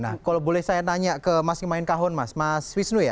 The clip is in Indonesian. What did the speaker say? nah kalau boleh saya nanya ke mas kemain kahun mas mas wisnu ya